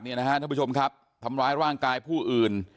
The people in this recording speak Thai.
เนี่ยนะฮะท่านผู้ชมครับทำร้ายร่างกายผู้อื่น